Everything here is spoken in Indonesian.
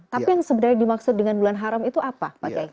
tapi yang sebenarnya dimaksud dengan bulan haram itu apa pak kiai